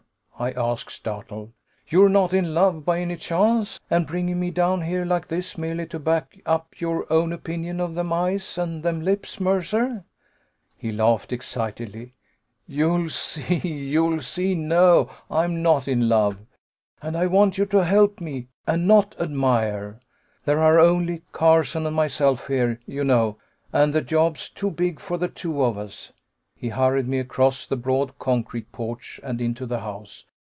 I asked, startled. "You're not in love, by any chance, and bringing me down here like this merely to back up your own opinion of them eyes and them lips, Mercer?" He laughed excitedly. "You'll see, you'll see! No, I'm not in love. And I want you to help, and not admire. There are only Carson and myself here, you know, and the job's too big for the two of us." He hurried me across the broad concrete porch and into the house.